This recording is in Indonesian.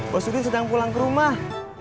bos udin sedang pulang ke rumah